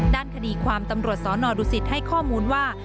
ด้านคดีความตำรวจสนดุสิตให้ข้อมูลว่า